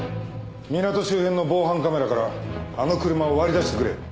港周辺の防犯カメラからあの車を割り出してくれ。